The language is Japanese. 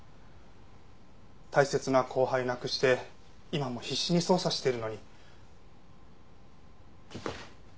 大切な後輩亡くして今も必死に捜査してるのに。